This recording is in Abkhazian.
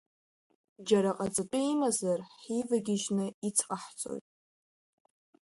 Џьара ҟаҵатәы имазар, ҳивагьыжьны ицҟаҳҵон.